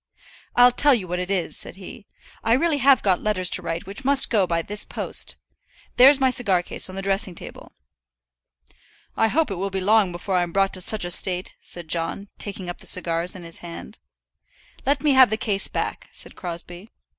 "I'll tell you what it is," said he. "I really have got letters to write which must go by this post. There's my cigar case on the dressing table." "I hope it will be long before I'm brought to such a state," said John, taking up the cigars in his hand. "Let me have the case back," said Crosbie.